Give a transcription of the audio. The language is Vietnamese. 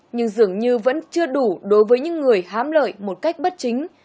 nhưng dường như vẫn chưa đủ đối với những người hám lợi một cách bất chính